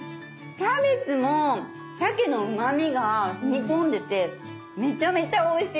キャベツもしゃけのうまみがしみ込んでてめちゃめちゃおいしい。